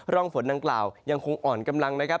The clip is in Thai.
ร่องฝนดังกล่าวยังคงอ่อนกำลังนะครับ